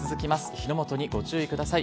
火の元にご注意ください。